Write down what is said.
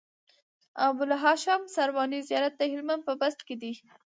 د ابوالهاشم سرواني زيارت د هلمند په بست کی دی